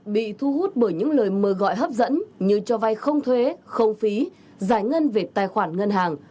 bị thu hút bởi những lời mời gọi hấp dẫn như cho vay không thuế không phí giải ngân về tài khoản ngân hàng